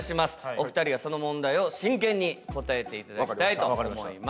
お２人はその問題を真剣に答えていただきたいと思います。